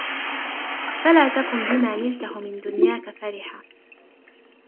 فَلَا تَكُنْ بِمَا نِلْته مِنْ دُنْيَاك فَرِحًا